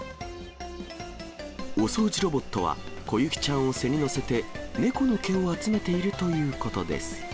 お掃除ロボットは、こゆきちゃんを背に乗せて、猫の毛を集めているということです。